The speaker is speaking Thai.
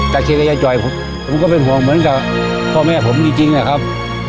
เชียร์กับยายจ่อยผมก็เป็นห่วงเหมือนกับพ่อแม่ผมจริงอะครับ